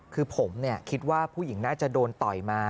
คือผมคิดว่าผู้หญิงน่าจะโดนต่อยมา